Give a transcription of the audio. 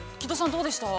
どうでした？